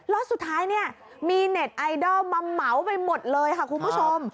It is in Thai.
แล้วสุดท้ายเนี่ยมีเน็ตไอดอลมาเหมาไปหมดเลยค่ะคุณผู้ชม